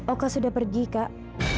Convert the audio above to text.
oka sudah pergi kak